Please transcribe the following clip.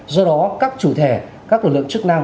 do đó các chủ thể các lực lượng chức năng